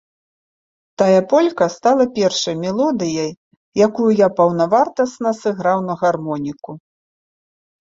Тая полька стала першай мелодыяй, якую я паўнавартасна сыграў на гармоніку.